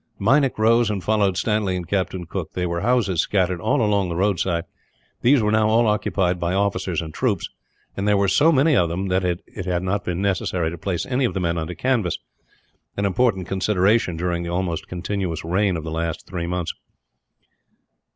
Meinik rose and followed Stanley and Captain Cooke. There were houses scattered all along the roadside. These were now all occupied by officers and troops, and there were so many of them that it had not been necessary to place any of the men under canvas an important consideration, during the almost continuous rain of the last three months.